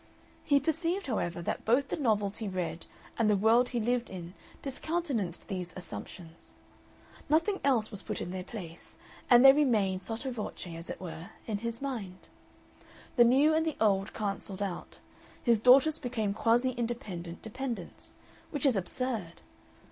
He perceived, however, that both the novels he read and the world he lived in discountenanced these assumptions. Nothing else was put in their place, and they remained sotto voce, as it were, in his mind. The new and the old cancelled out; his daughters became quasi independent dependents which is absurd.